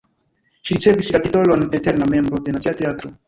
Ŝi ricevis la titolon eterna membro de Nacia Teatro.